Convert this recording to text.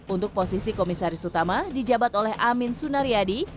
untuk posisi komisaris utama dijabat oleh amin sunaryadi